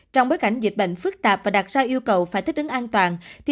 trong bối cảnh dịch bệnh phức tạp và đạt ra yêu cầu phải thích ứng an toàn